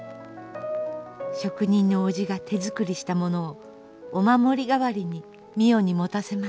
職人の叔父が手作りしたものをお守り代わりに美世に持たせます。